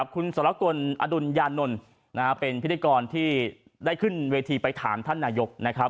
คุณสละกลอดุลยานนลเป็นพิธีกรที่ได้ขึ้นเวทีไปถามท่านนายก